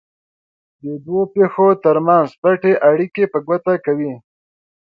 د دوو پېښو ترمنځ پټې اړیکې په ګوته کوي.